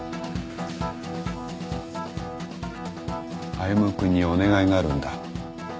歩君にお願いがあるんだ。